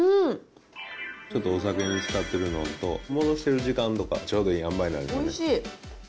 ちょっとお酒に浸ってるのと、戻してる時間とかちょうどいいあんばいでね。